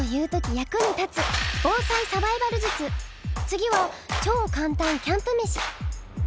次は超簡単キャンプ飯。